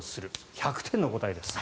１００点の答えです。